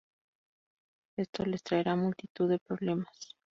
Esto les traerá multitud de problemas.